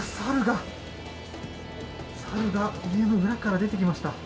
猿が家の中から出てきました。